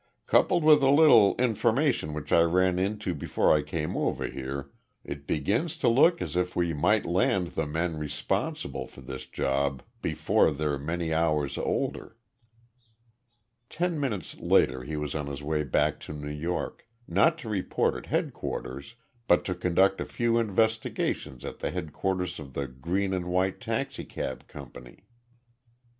"Coupled with a little information which I ran into before I came over here, it begins to look as if we might land the men responsible for this job before they're many hours older." Ten minutes later he was on his way back to New York, not to report at headquarters, but to conduct a few investigations at the headquarters of the Green and White Taxicab Company.